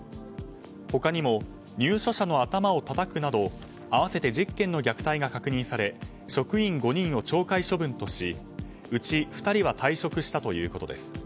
他にも入所者の頭をたたくなど合わせて１０件の虐待が確認され職員５人を懲戒処分としうち２人は退職したということです。